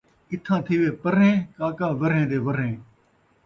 اتھاں تھیوے پرینہیں، کاکا ورھیں دے ورھیں